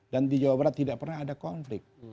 dan di jawa barat tidak pernah ada konflik